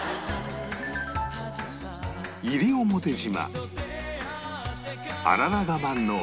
西表島